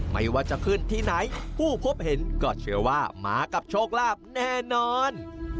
ไม่ว่าจะขึ้นที่ไหนผู้พบเห็นก็เชื่อว่ามากับโชคลาภแน่นอน